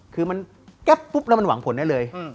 คือมันแก๊ปปุ๊บแล้วมันหวังผลได้เลย